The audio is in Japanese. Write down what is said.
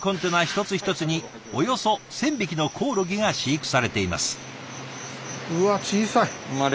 一つ一つにおよそ１，０００匹のコオロギが飼育されています。